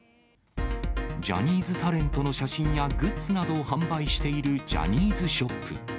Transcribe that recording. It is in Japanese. ジャニーズタレントの写真やグッズなどを販売しているジャニーズショップ。